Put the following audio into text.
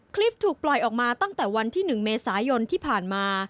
คลิปถูกปล่อยออกมาตั้งแต่วันที่๑เมษายนที่ผ่านมา